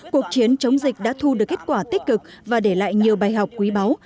cuộc chiến chống dịch đã thu được kết quả tích cực và để lại nhiều bài học quý báu